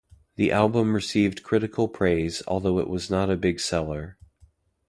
The album received critical praise, although it was not a big seller.